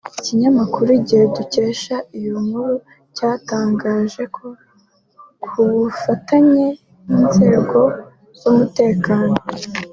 Ikinyamakuru Igihe dukesha iyi nkuru cyatangaje ko ku bufatanye n’inzego z’umutekano